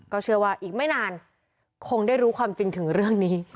เชื่อว่าอีกไม่นานคงได้รู้ความจริงถึงเรื่องนี้